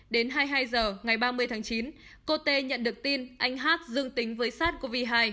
đến hai mươi hai giờ ngày ba mươi tháng chín cô t nhận được tin anh h dừng tính với sars cov hai